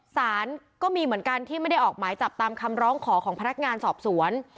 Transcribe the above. สารก็มีเหมือนกันที่ไม่ได้ออกหมายจับตามคำร้องขอของพนักงานสอบสวน